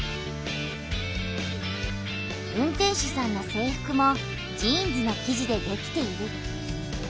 運転手さんの制服もジーンズの生地でできている。